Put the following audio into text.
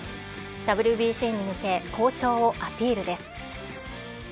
ＷＢＣに向け、好調をアピールです。